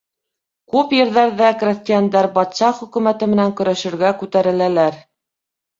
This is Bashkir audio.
Күп ерҙәрҙә крәҫтиәндәр батша хөкүмәте менән көрәшергә күтәреләләр.